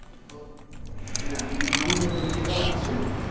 このトンネル抜けたら走ろう。